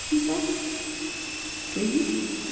she said. "Pleased?